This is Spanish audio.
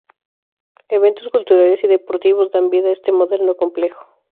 Eventos culturales y deportivos dan vida a este moderno complejo.